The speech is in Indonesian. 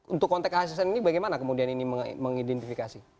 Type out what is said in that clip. untuk konteks asn ini bagaimana kemudian mengidentifikasi